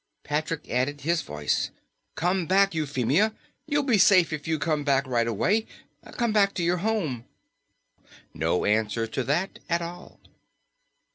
Patrick added his voice. "Come back, Euphemia. You'll be safe if you come back right away. Come back to your home." No answer to that at all.